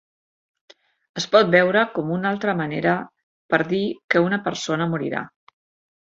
Es pot veure com una altra manera per dir que una persona morirà.